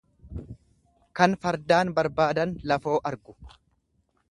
Kan fardaan barbaadan lafoo argu.